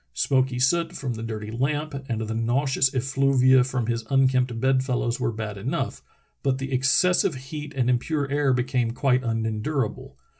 Smoky soot from the dirty lamp and the nauseous effluvia from his unkempt bed fellows were bad enough, but the excessive heat and impure air became quite unendurable.